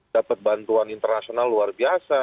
dapat bantuan internasional luar biasa